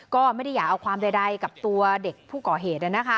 ก็ไม่ได้อยากเอาความใดกับตัวเด็กผู้ก่อเหตุ